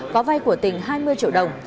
có vai của tỉnh hai mươi triệu đồng